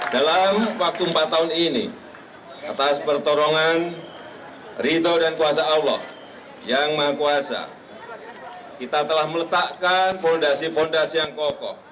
dalam waktu empat tahun ini atas pertolongan ridho dan kuasa allah yang maha kuasa kita telah meletakkan fondasi fondasi yang kokoh